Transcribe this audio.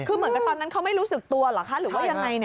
คือเหมือนกับตอนนั้นเขาไม่รู้สึกตัวเหรอคะหรือว่ายังไง